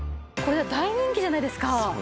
これ大人気じゃないですか。